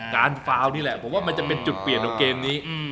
ฟาวนี่แหละผมว่ามันจะเป็นจุดเปลี่ยนของเกมนี้